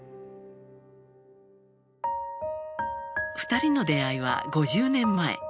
２人の出会いは５０年前。